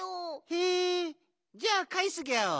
へえじゃあかえすギャオ。